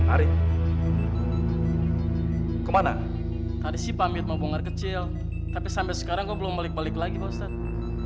arief kemana tadi sih pamit mau bongar kecil tapi sampai sekarang belum balik balik lagi pak ustadz